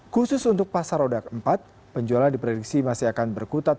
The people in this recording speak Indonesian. khusus untuk pasar roda empat penjualan diprediksi masih akan berkutat